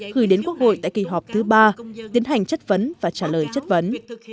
gửi đến quốc hội tại kỳ họp thứ ba tiến hành chất vấn và trả lời chất vấn